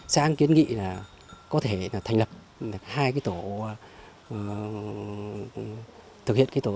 xã an kiến nghị là có thể thành lập hai cái tổ